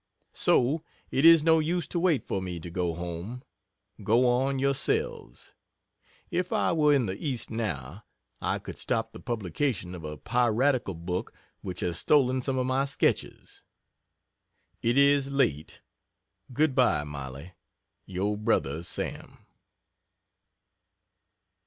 So it is no use to wait for me to go home. Go on yourselves. If I were in the east now, I could stop the publication of a piratical book which has stolen some of my sketches. It is late good bye, Mollie, Yr Bro SAM.